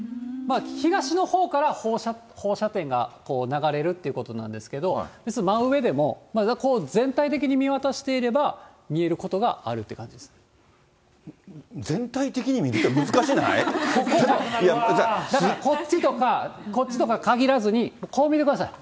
東のほうからほうしゃてんが流れるっていうことなんですけれども、真上でも全体的に見渡していれば見えることがあるっていうことで全体的に見るって難しくないだからこっちとか、こっちとか限らずにこう見てください。